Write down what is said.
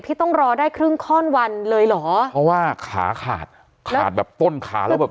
ต้องรอได้ครึ่งข้อนวันเลยเหรอเพราะว่าขาขาดขาดแบบต้นขาแล้วแบบ